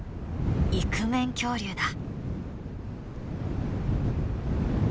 イクメン恐竜だ。